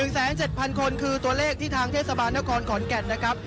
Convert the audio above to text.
๗๗๐๐คนคือตัวเลขที่ทางเทศบาลนครขอนแก่นนะครับ